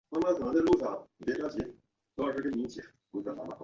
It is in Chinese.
夏行美以功加同政事门下平章事之位。